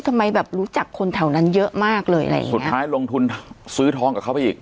ทำไมแบบรู้จักคนแถวนั้นเยอะมากเลยอะไรอย่างงีสุดท้ายลงทุนซื้อทองกับเขาไปอีก